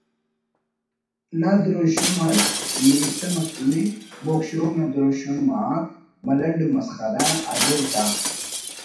نا دروشم اٹ نوشتہ مسنے بوگ شوگ نا دروشم آک ملنڈ و مسخرہ اریر دا